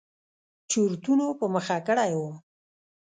چورتونو په مخه کړى وم.